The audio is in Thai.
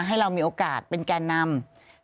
ให้เรามีโอกาสเป็นแก่นำ